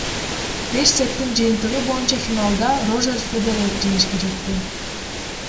Беш сеттин жыйынтыгы боюнча финалда Рожер Федерер жеңишке жетти.